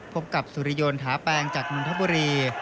พบกับสุริยนต์หาแปลงจากนนทบุรี